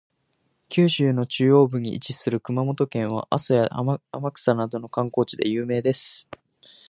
九州の中央部に位置する熊本県は、阿蘇や天草などの観光地で有名です。